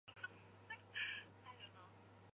导致丙寅洋扰。